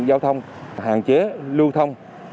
giao thông hạn chế lưu thông